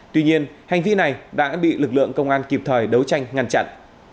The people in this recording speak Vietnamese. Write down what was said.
tuy nhiên hành vi này đã bị lực lượng công an kịp thời đấu tranh ngăn chặn